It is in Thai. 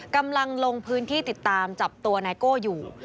กำลังลงพื้นที่ติดตามจับตัวนายโก้อยู่